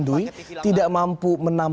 cuma dari pdam